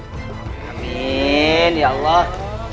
amin ya allah